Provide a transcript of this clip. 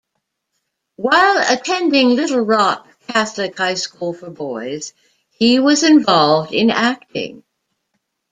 While attending Little Rock Catholic High School for Boys, he was involved in acting.